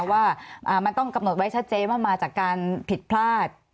ว่ามันต้องกำหนดไว้ชัดเจนว่ามาจากการผิดพลาด